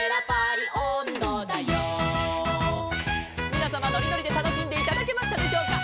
「みなさまのりのりでたのしんでいただけましたでしょうか」